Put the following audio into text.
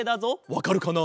わかるかな？